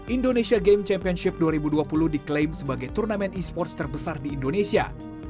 indonesia games championship dua ribu dua puluh diklaim sebagai turnamen esports terbesar di indonesia